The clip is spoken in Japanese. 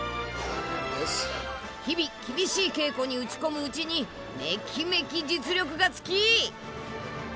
日々厳しい稽古に打ち込むうちにメキメキ実力がつき。